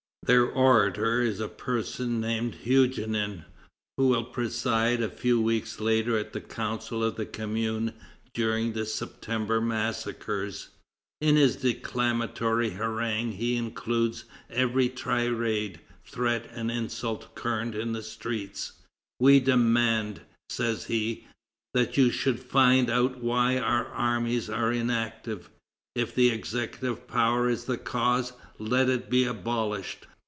Their orator is a person named Huguenin, who will preside a few weeks later at the Council of the Commune during the September massacres. In his declamatory harangue he includes every tirade, threat, and insult current in the streets. "We demand," said he, "that you should find out why our armies are inactive. If the executive power is the cause, let it be abolished.